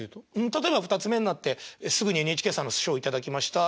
例えば二ツ目になってすぐにＮＨＫさんの賞を頂きました。